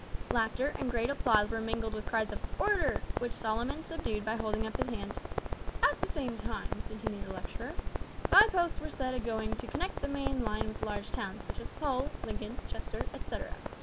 Laughter and great applause were mingled with cries of "Order," which Solomon subdued by holding up his hand. "At the same time," continued the lecturer, "bye posts were set a going to connect the main line with large towns, such as Hull, Lincoln, Chester, etcetera.